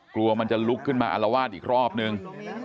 กลัวมันจะลุกขึ้นมาอารวาสอีกรอบนึง